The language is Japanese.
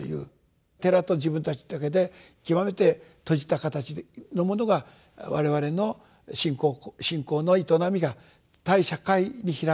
寺と自分たちだけで極めて閉じた形のものが我々の信仰の営みが対社会に開かれていく。